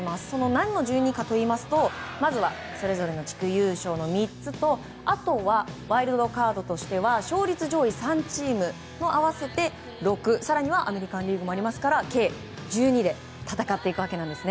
何の１２かといいますとまずはそれぞれの地区優勝の３つとあとはワイルドカードとしては勝率上位３チーム合わせて６更にはアメリカン・リーグもありますから計１２で戦っていくわけです。